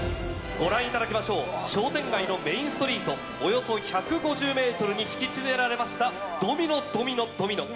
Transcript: ご覧いただきましょう、商店街のメインストリート、およそ１５０メートルに敷き詰められましたドミノ、ドミノ、ドミノ。